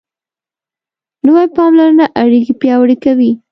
نوې پاملرنه اړیکې پیاوړې کوي